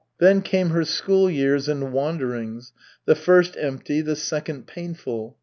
Then came her school years and wanderings, the first empty, the second painful.